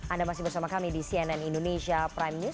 anda masih bersama kami di cnn indonesia prime news